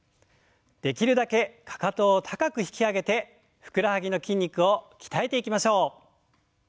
できるだけかかとを高く引き上げてふくらはぎの筋肉を鍛えていきましょう。